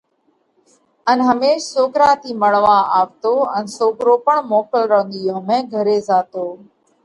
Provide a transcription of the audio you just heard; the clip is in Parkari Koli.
ان هميش سوڪرا ٿِي مۯوا آوتو ان سوڪرو پڻ موڪل رون ۮِيئون ۾ گھري زاتو۔